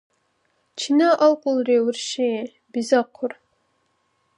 — Чина аркьулри, урши? – бизахъур.